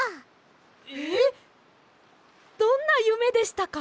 どんなゆめでしたか？